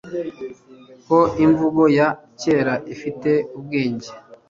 ko imvugo ya kera ifite ubwenge